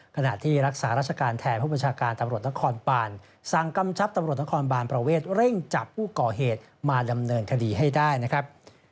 ขณะที่รักษาราชการแทนผู้บัญชาการตำรวจนครบานสั่งกำชับตำรวจนครบานประเวทเร่งจับผู้ก่อเหตุมาดำเนินคดีให้ได้นะครับ